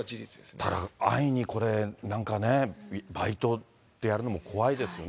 だから、安易にこれ、なんかね、バイトってやるのも怖いですね。